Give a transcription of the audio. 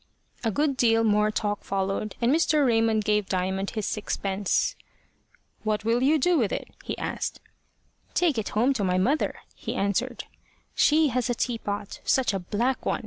A good deal more talk followed, and Mr. Raymond gave Diamond his sixpence. "What will you do with it?" he asked. "Take it home to my mother," he answered. "She has a teapot such a black one!